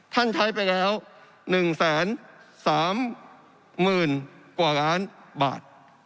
ใช้ไปแล้ว๑๓๐๐๐กว่าล้านบาท